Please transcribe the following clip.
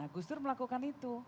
gus dur melakukan itu